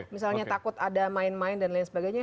misalnya takut ada main main dan lain sebagainya